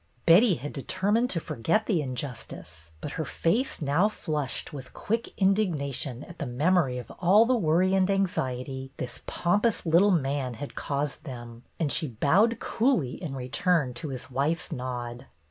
Betty had determined to forget the injustice, but her face now flushed with quick indigna tion at the memory of all the worry and BETTY AND THE WEBBIES 55 anxiety this pompous little man had caused them, and she bowed coolly in return to his wife's nod.